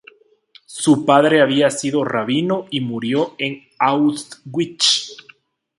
Su padre había sido rabino y murió en Auschwitz.